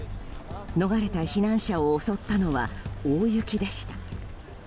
逃れた避難者を襲ったのは大雪でした。